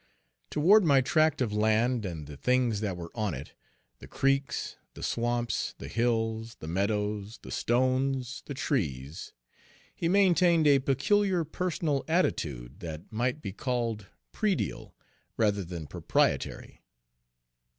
Toward my tract of land and the things that were on it the creeks, the swamps, the hills, the meadows, the stones, the trees he Page 65 maintained a peculiar personal attitude, that might be called predial rather than proprietary.